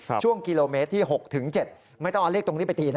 ครับช่วงกิโลเมตรที่หกถึงเจ็ดไม่ต้องเอาเลขตรงนี้ไปตีนะ